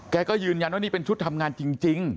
แกก็ยืนยันว่านี่เป็นชุดทำงานจริง